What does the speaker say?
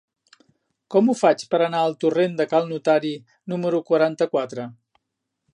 Com ho faig per anar al torrent de Cal Notari número quaranta-quatre?